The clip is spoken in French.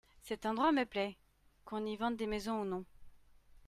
Cet endroit me plait, qu'on y vende des maisons ou non.